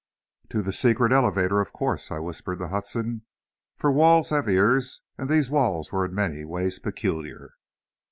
"To the secret elevator, of course," I whispered to Hudson, for walls have ears, and these walls were in many ways peculiar.